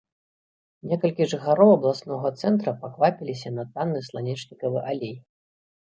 Некалькі жыхароў абласнога цэнтра паквапіліся на танны сланечнікавы алей.